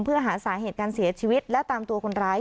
เพื่อหาสาเหตุการเสียชีวิตและตามตัวคนร้าย